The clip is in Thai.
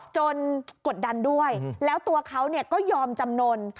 กดดันด้วยแล้วตัวเขาก็ยอมจำนวน